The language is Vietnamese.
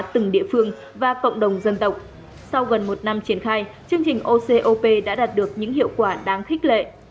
từng địa phương và cộng đồng dân tộc sau gần một năm triển khai chương trình ocop đã đạt được những hiệu quả đáng khích lệ